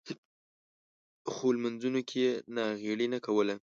خو لمونځونو کې یې ناغېړي نه کوله.